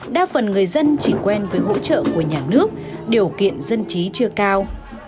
đa phần người dân chỉ quen với hỗ trợ của nhà nước điều kiện dân trí chưa cao